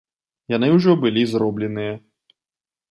Яны ўжо былі зробленыя.